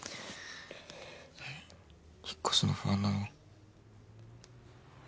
引っ越すの不安なの？